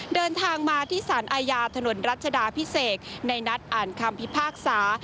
เดินทางมาที่สารอาญาถนนรัชดาพิเศษในนัดอ่านคำพิพากษา